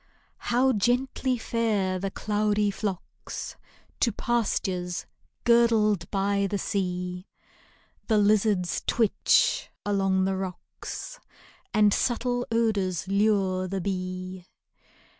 How gently fare the cloudy flocks To pastures girdled by the seal The lizards twitch along the rocks, And subtle odors lure the bee.